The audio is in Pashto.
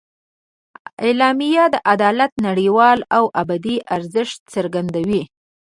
اعلامیه د عدالت نړیوال او ابدي ارزښت څرګندوي.